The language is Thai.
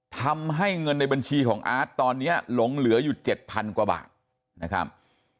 ทำให้เงินในบัญชีของอาร์ตตอนนี้หลงเหลืออยู่๗๐๐กว่าบาทนะครับ